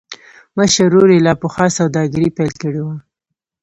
مشر ورور يې لا پخوا سوداګري پيل کړې وه.